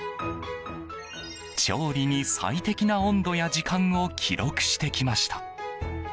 調理に最適な温度や時間を記録してきました。